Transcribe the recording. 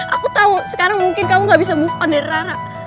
aku tahu sekarang mungkin kamu gak bisa move on the rara